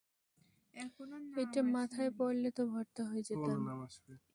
এইটা মাথায় পড়লে তো ভর্তা হয়ে যেতাম।